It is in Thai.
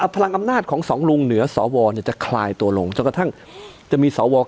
พลังอำนาจของสองลุงเหนือสวจะคลายตัวลงจนกระทั่งจะมีสว